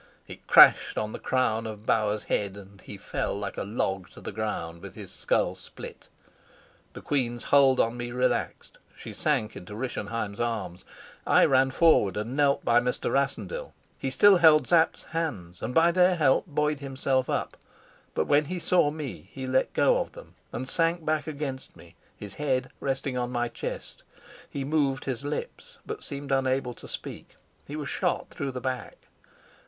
It crashed on the crown of Bauer's head, and he fell like a log to the ground with his skull split. The queen's hold on me relaxed; she sank into Rischenheim's arms. I ran forward and knelt by Mr. Rassendyll. He still held Sapt's hands, and by their help buoyed himself up. But when he saw me he let go of them and sank back against me, his head resting on my chest. He moved his lips, but seemed unable to speak. He was shot through the back.